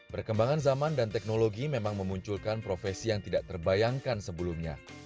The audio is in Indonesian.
perkembangan zaman dan teknologi memang memunculkan profesi yang tidak terbayangkan sebelumnya